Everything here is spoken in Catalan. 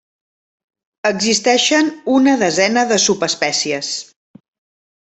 Existeixen una desena de subespècies.